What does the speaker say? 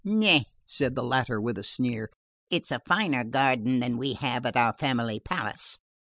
"Eh," said the latter with a sneer, "it's a finer garden than we have at our family palace.